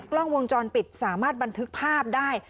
กล้องวงจรปิดสามารถบันทึกภาพได้